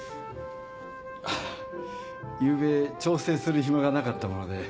あぁゆうべ調整する暇がなかったもので。